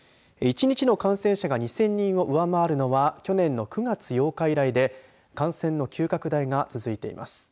１日の感染者が２０００人を上回るのは去年の９月８日以来で感染の急拡大が続いています。